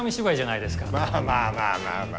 まあまあまあまあまあ。